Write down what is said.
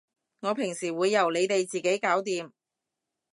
我平時會由你哋自己搞掂